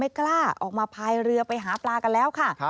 กล้าออกมาพายเรือไปหาปลากันแล้วค่ะ